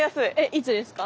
いつですか？